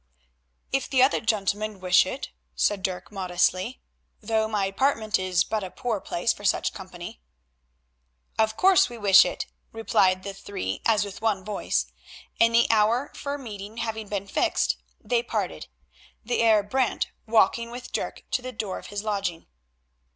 "If the other gentlemen wish it," said Dirk, modestly, "though my apartment is but a poor place for such company." "Of course we wish it," replied the three as with one voice, and the hour for meeting having been fixed they parted, the Heer Brant walking with Dirk to the door of his lodging.